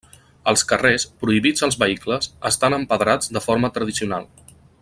Els carrers, prohibits als vehicles, estan empedrats de forma tradicional.